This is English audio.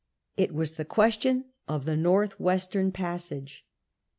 It was the question of the North Western passage.